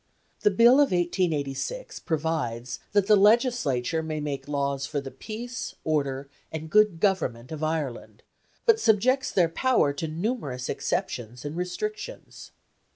The Bill of 1886 provides "that the Legislature may make laws for the peace, order, and good government of Ireland," but subjects their power to numerous exceptions and restrictions.